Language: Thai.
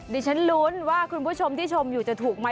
ดิฉันลุ้นว่าคุณผู้ชมที่ชมอยู่จะถูกไหม